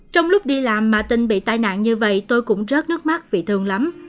trong lúc đi làm mà tinh bị tai nạn như vậy tôi cũng rớt nước mắt vì thương lắm